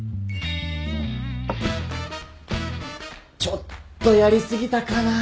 ちょっとやり過ぎたかな。